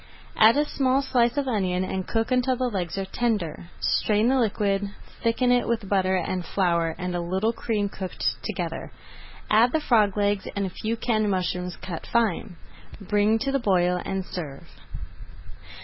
Add a small slice of onion and cook until the legs are tender. Strain the liquid, thicken it with butter and flour and a little cream cooked together. Add the frog legs and a few canned mushrooms cut fine. Bring to the boil and serve.